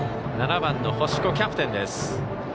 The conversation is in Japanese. ７番の星子、キャプテン。